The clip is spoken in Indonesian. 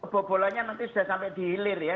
bobolannya nanti sudah sampai dihilir ya